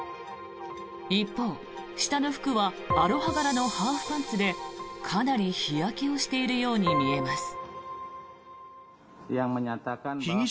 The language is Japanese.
一方、下の服はアロハ柄のハーフパンツでかなり日焼けをしているように見えます。